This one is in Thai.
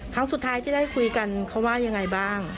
ครั้งสุดท้ายที่ได้คุยกันเขาว่ายังไงบ้าง